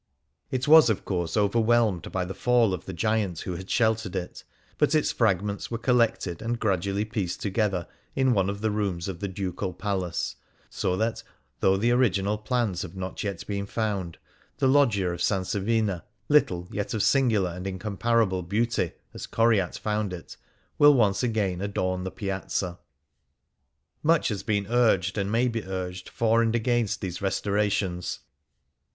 It was, of course, overwhelmed by the fall of the giant who had sheltered it ; but its fragments were collected and gradually pieced together in one of the rooms of the Ducal Palace : so that, though the original plans have not been found, the Loggia of Sansovina —" little, yet of singular and incomparable beauty," as Coryat found it — will once again adorn the Piazza. Much has been urged, and may be urged, for and against these restorations.